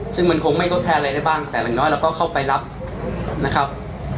ซึ่งมันคงไม่ทดแทนอะไรได้บ้างแต่อย่างน้อยเราก็เข้าไปรับนะครับ